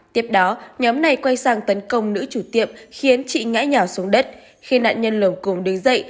tiếp đó nhóm này quay sang tấn công nữ chủ tiệm khiến chị ngã nhỏ xuống đất khi nạn nhân lầu cường đứng dậy